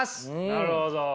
なるほど。